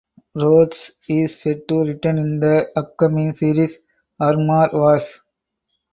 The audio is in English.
Rhodes is set to return in the upcoming series "Armor Wars".